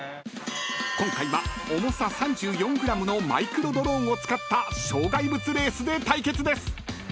［今回は重さ３４ｇのマイクロドローンを使った障害物レースで対決です］